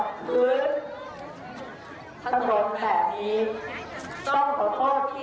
ขอโทษมาก